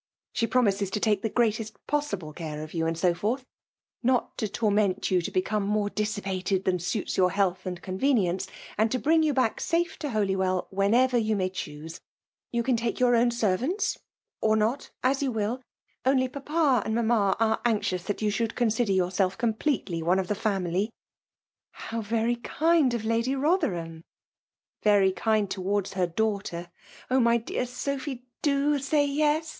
She pro mises to take the greatest possible care of you, and so forth; not to torment you to become more dissipated than snits your health and convenience; and to bring you back safe to 4t U WEUALE DOM IKATXOM. .211 Jlolywell vfaenever you maj choose. You can fake your own servants or not, as you will ; Doady papa and mamma are anxious that you jshould consider yourself completely one of the family. How very kind of Lady Boiherham !"— Very kind towards her daughter. Oh! lay dear Sophy !— do say yes